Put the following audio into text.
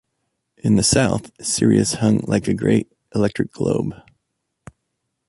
In the south, Sirius hung like a great electric globe.